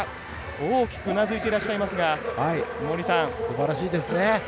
大きくうなずいていらっしゃいますがすばらしいですね。